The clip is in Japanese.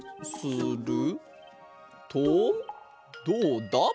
どうだ？